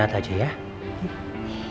akan kubuat diisel